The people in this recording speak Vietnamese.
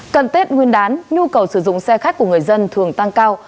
cận tết nguyên đán nhu cầu sử dụng xe khách của người dân thường tăng cao